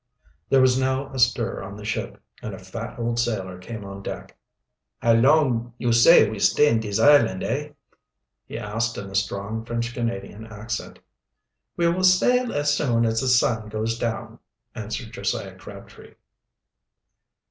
There was now a stir on the ship, and a fat old sailor came on deck. "How long you say we stay in dees island, hey?" he asked, in a strong French Canadian accent. "We will sail as soon as the sun goes down," answered Josiah Crabtree.